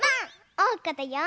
おうかだよ。